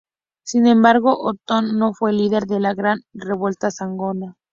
Sin embargo, Otón no fue el líder de la gran revuelta sajona.